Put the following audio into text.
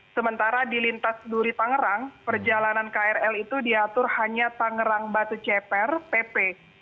sementara di lintas duri tangerang perjalanan krl itu diatur hanya tangerang batu ceper pp